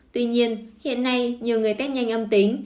tuy nhiên hiện nay nhiều người test nhanh âm tính